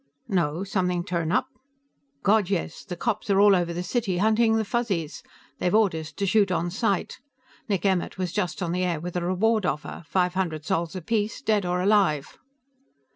"No. Something turn up?" "God, yes! The cops are all over the city hunting the Fuzzies; they have orders to shoot on sight. Nick Emmert was just on the air with a reward offer five hundred sols apiece, dead or alive."